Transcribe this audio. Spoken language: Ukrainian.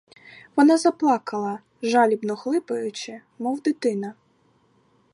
Вона заплакала, жалібно хлипаючи, мов дитина.